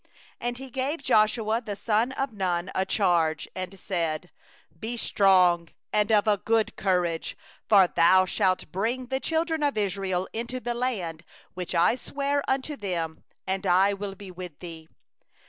23And he gave Joshua the son of Nun a charge, and said: 'Be strong and of good courage; for thou shalt bring the children of Israel into the land which I swore unto them; and I will be with thee.